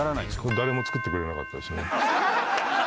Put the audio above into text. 誰も作ってくれなかったです